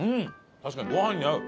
確かにご飯に合う！